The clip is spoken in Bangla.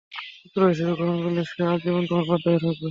পুত্র হিসেবে গ্রহণ করলে সে আজীবন তোমার বাধ্য হয়ে থাকবে।